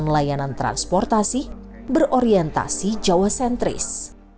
layanan transportasi berorientasi jawa sentris